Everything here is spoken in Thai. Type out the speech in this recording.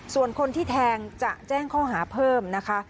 ส่วนคนที่แทงจะแจ้งข้อหาเพิ่มนะคะ